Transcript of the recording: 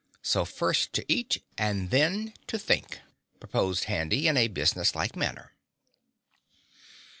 So first to eat and then to think!" proposed Handy in a businesslike manner.